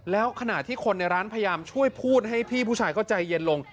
แล้วขณะที่คนในร้านพยายามช่วยพูดให้พี่ผู้ชายเขาใจเย็นลง